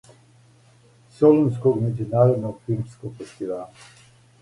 Солунског међународног филмског фестивала.